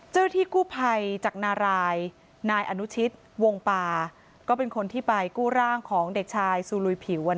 เจ้าหน้าที่กู้ภัยจากนารายนายอนุชิตวงปาก็เป็นคนที่ไปกู้ร่างของเด็กชายซูลุยผิว